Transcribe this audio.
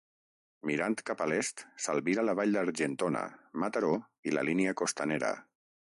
Mirant cap a l'est, s'albira la vall d'Argentona, Mataró i la línia costanera.